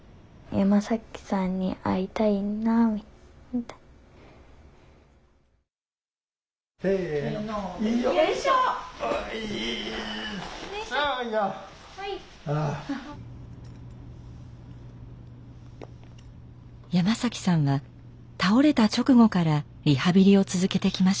山さんは倒れた直後からリハビリを続けてきました。